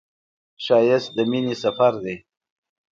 ښایست د مینې سفر دی